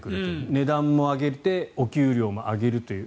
値段も上げてお給料も上げるという。